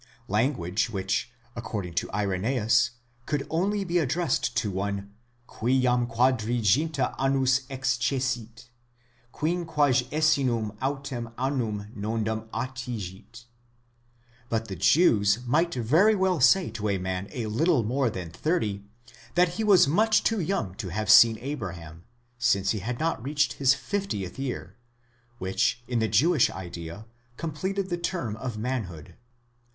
language which according to Irenzeus could only be addressed to one, gui jam quadraginta annos excessit, quinguagesimum autem annum nondum attigit, But the Jews might very well say to a man a little more than thirty, that he was much too young to have seen Abraham, since he had not reached his fiftieth year, which, in the Jewish idea, completed the term of manhood.